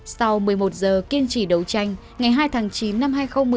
sau một mươi một giờ kiên trì đấu tranh ngày hai tháng chín năm hai nghìn một mươi tám